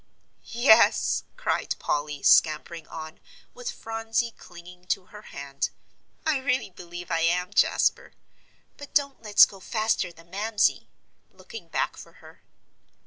"Yes," cried Polly, scampering on, with Phronsie clinging to her hand, "I really believe I am, Jasper. But don't let's go faster than Mamsie," looking back for her.